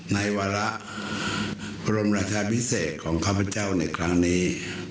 วาระกรมราชาพิเศษของข้าพเจ้าในครั้งนี้